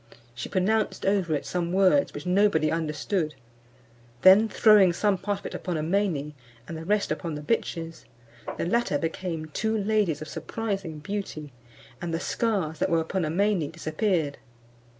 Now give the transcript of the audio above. She pronounced over it some words which nobody understood; then throwing some part of it upon Amene, and the rest upon the bitches, the latter became two ladies of surprising beauty, and the scars that were upon Amene disappeared.